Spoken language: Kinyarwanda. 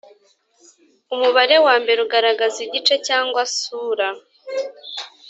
umubare wa mbere ugaragaza igice cyangwa sura